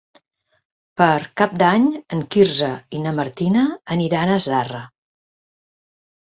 Per Cap d'Any en Quirze i na Martina aniran a Zarra.